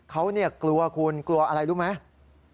เขากลัวคุณกลัวอะไรรู้ไหม